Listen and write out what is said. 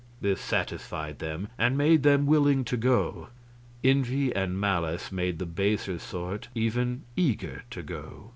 This satisfied them and made them willing to go; envy and malice made the baser sort even eager to go.